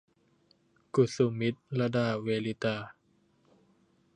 กุสุมิตลดาเวลลิตา